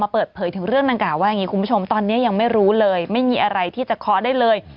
เปิดเผยถึงเรื่องดังกล่าวว่าอย่างนี้คุณผู้ชมตอนนี้ยังไม่รู้เลยไม่มีอะไรที่จะเคาะได้เลย